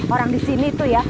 orang di sini tuh ya